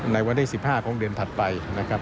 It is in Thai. ในวันท้ายสิบห้าของเดือนถัดไป